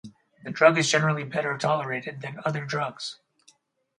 The drug is generally better tolerated than other drugs.